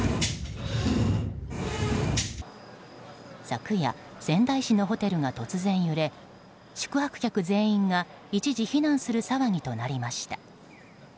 昨夜、仙台市のホテルが突然揺れ宿泊客全員が一時避難する騒ぎになりました。